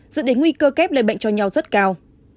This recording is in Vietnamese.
dựa đến nguy cơ kép lệ bệnh cho nhau rất cao